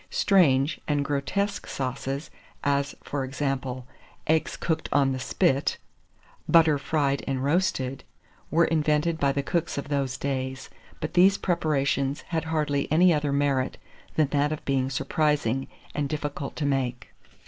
Strange and grotesque sauces, as, for example, "eggs cooked on the spit," "butter fried and roasted," were invented by the cooks of those days; but these preparations had hardly any other merit than that of being surprising and difficult to make.